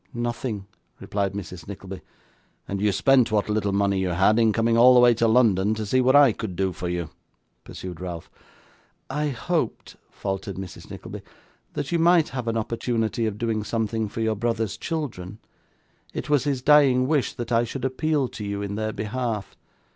'Nothing,' replied Mrs. Nickleby. 'And you spent what little money you had, in coming all the way to London, to see what I could do for you?' pursued Ralph. 'I hoped,' faltered Mrs. Nickleby, 'that you might have an opportunity of doing something for your brother's children. It was his dying wish that I should appeal to you in their behalf.